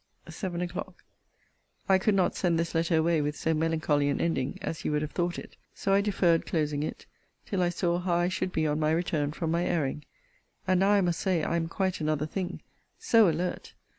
SEVEN O'CLOCK. I could not send this letter away with so melancholy an ending, as you would have thought it. So I deferred closing it, till I saw how I should be on my return from my airing: and now I must say I am quite another thing: so alert!